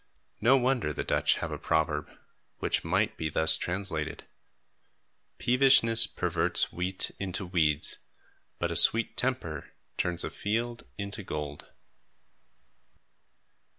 No wonder the Dutch have a proverb, which might be thus translated: "Peevishness perverts wheat into weeds But a sweet temper turns a field into gold."